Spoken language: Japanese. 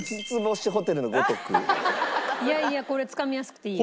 いやいやこれつかみやすくていいよ。